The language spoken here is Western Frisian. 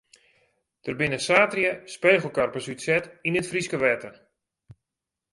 Der binne saterdei spegelkarpers útset yn it Fryske wetter.